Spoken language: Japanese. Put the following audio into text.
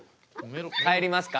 帰りますか？